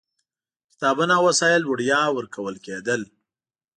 کتابونه او وسایل وړیا ورکول کېدل.